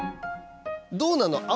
どうなの？